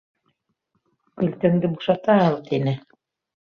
Көлтәңде бушата һал, — тине.